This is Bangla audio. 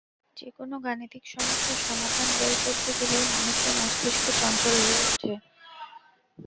যেকোনো গাণিতিক সমস্যার সমাধান বের করতে গেলেই মানুষের মস্তিষ্ক চঞ্চল হয়ে ওঠে।